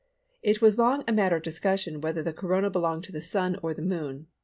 It was long a matter of discussion whether the Corona belonged to the Sun or the Moon.